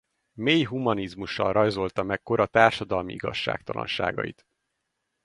Mély humanizmussal rajzolta meg kora társadalmi igazságtalanságait.